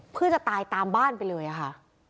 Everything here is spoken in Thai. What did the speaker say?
เพื่อจะตายตามบ้านไปเลยค่ะ